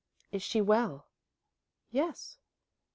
'" "Is she well?" "Yes."